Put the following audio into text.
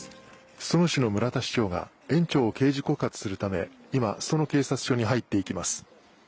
裾野市の村田市長が園長を掲示告発するため今、裾野警察署に入っていきます。